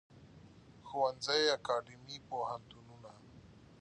ښوونځی اکاډیمی پوهنتونونه